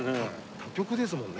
他局ですもんね。